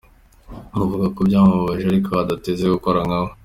Avuga ko byamubabaje ariko adateze gukora nkawe.